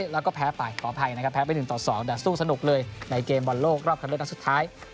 แล้วก็แพ้ไปขออภัยนะครับแพ้ไป๑ต่อ๒แต่สู้สนุกเลยในเกมบอลโลกรอบคันเลือกนัดสุดท้าย